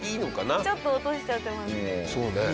ちょっと落としちゃってます。